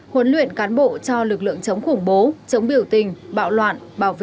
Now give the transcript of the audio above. huấn luyện cán bộ cho lực lượng chống khủng bố chống biểu tình bạo loạn bảo vệ mục tiêu